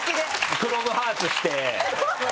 クロムハーツして。